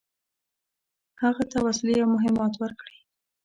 هغه ته وسلې او مهمات ورکړي.